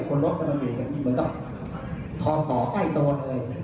คนรถจะมาเหมือนกับทอสอใกล้โตเลย